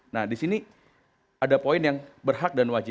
nah disini ada poin yang berhak dan wajib